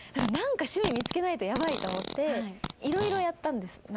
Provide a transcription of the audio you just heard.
何か趣味見つけないとやばいと思っていろいろやったんです。